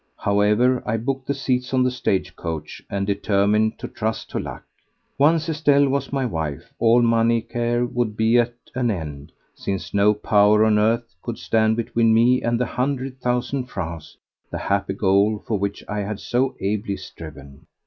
However, I booked the seats on the stage coach and determined to trust to luck. Once Estelle was my wife, all money care would be at an end, since no power on earth could stand between me and the hundred thousand francs, the happy goal for which I had so ably striven.